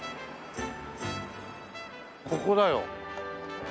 ここだよ。